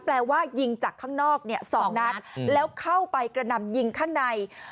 แปลว่ายิงจากข้างนอกสองนัดแล้วเข้าไปกระนำยิงข้างใน